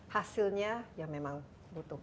hasilnya ya memang butuh